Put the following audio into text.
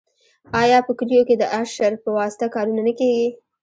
آیا په کلیو کې د اشر په واسطه کارونه نه کیږي؟